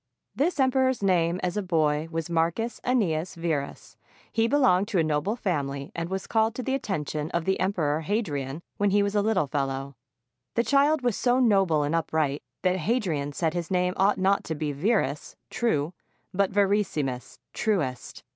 This emperor's name as a boy was Marcus Annius Verus. He belonged to a noble family, and was called to the attention of the Emperor Hadrian when he was a little fellow. The child was so noble and upright that Hadrian said his name ought not to be Verus (true), but Verissimus (truest).